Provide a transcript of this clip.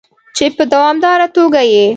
چې په دوامداره توګه یې